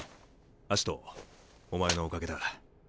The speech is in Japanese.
アシトお前のおかげだ。